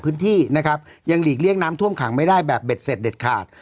พื้นที่นะครับยังหลีกเลี่ยงน้ำท่วมขังไม่ได้แบบเด็ดเสร็จเด็ดขาด